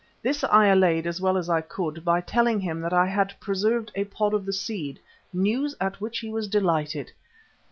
This I allayed as well as I could by telling him that I had preserved a pod of the seed, news at which he was delighted.